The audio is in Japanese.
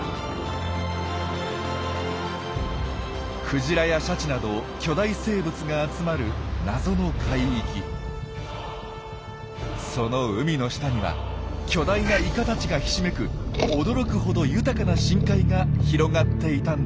クジラやシャチなど巨大生物が集まる「謎の海域」。その海の下には巨大なイカたちがひしめく驚くほど豊かな深海が広がっていたんです。